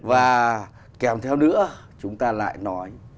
và kèm theo nữa chúng ta lại nói